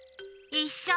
いっしょ。